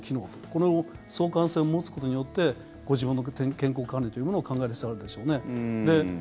この相関性を持つことによってご自分の健康管理というものを考える必要があるでしょうね。